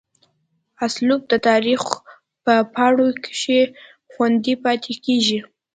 اسلوب دَ تاريخ پۀ پاڼو کښې خوندي پاتې کيږي